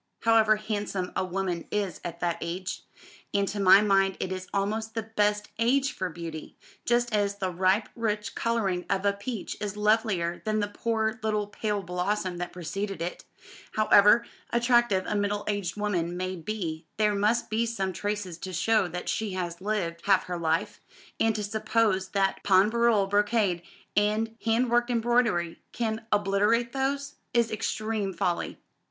However handsome a woman is at that age and to my mind it is almost the best age for beauty, just as the ripe rich colouring of a peach is lovelier than the poor little pale blossom that preceded it however attractive a middle aged woman may be there must be some traces to show that she has lived half her life; and to suppose that pain brûlé brocade, and hand worked embroidery, can obliterate those, is extreme folly.